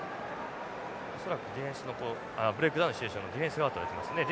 恐らくブレイクダウンのシチュエーションでディフェンス側とられてますね。